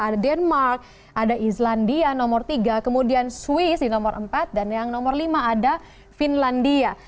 ada denmark ada islandia nomor tiga kemudian swiss di nomor empat dan yang nomor lima ada finlandia